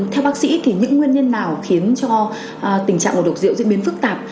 theo bác sĩ thì những nguyên nhân nào khiến cho tình trạng ngộ độc rượu diễn biến phức tạp